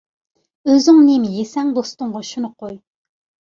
ئۆزۈڭ نېمە يېسەڭ، دوستۇڭغا شۇنى قوي.